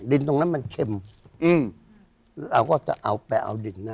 ดินตรงนั้นมันเข้มเราก็จะเอาไปเอาดิน